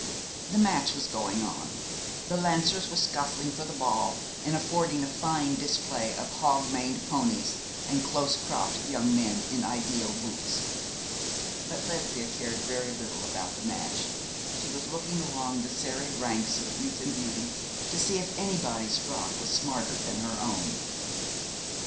The match was going on. The Lancers were scuffling for the ball, and affording a fine display of hog maned ponies and close cropped young men in ideal boots. But Lesbia cared very little about the match. She was looking along the serried ranks of youth and beauty to see if anybody's frock was smarter than her own.